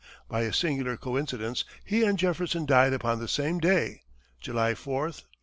By a singular coincidence, he and Jefferson died upon the same day, July 4, 1826.